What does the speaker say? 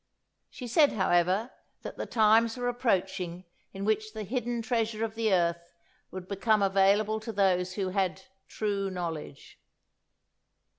She said, however, that the times were approaching in which the hidden treasure of the earth would become available to those who had 'true knowledge.'"